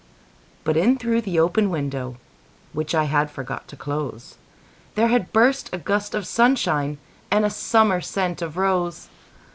But in through the open window, Which I had forgot to close, There had burst a gush of sunshineAnd a summer scent of rose.